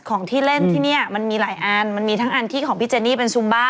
ของที่เล่นที่นี่มันมีหลายอันมันมีทั้งอันที่ของพี่เจนี่เป็นซุมบ้า